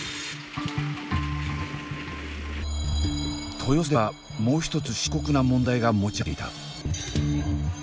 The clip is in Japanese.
豊洲ではもう一つ深刻な問題が持ち上がっていた。